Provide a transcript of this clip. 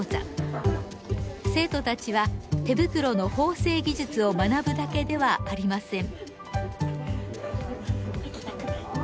生徒たちは手袋の縫製技術を学ぶだけではありません。